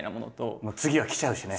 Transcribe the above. もう次が来ちゃうしね